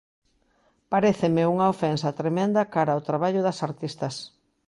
Paréceme unha ofensa tremenda cara ao traballo das artistas.